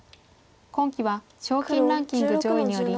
今期は賞金ランキング上位により。